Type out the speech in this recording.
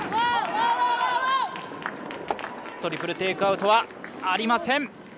トリプルテイクアウトはありません。